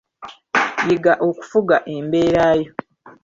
Yiga okufuga embeera yo.